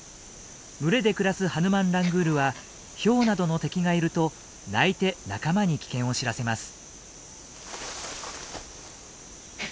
群れで暮らすハヌマンラングールはヒョウなどの敵がいると鳴いて仲間に危険を知らせます。